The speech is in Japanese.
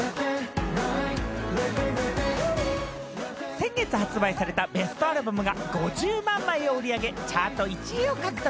先月発売されたベストアルバムが５０万枚を売り上げチャート１位を獲得。